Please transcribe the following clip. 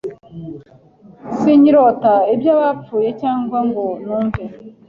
sinkirota iby’abapfuye cyangwa ngo numve